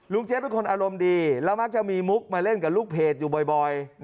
เจ๊เป็นคนอารมณ์ดีแล้วมักจะมีมุกมาเล่นกับลูกเพจอยู่บ่อย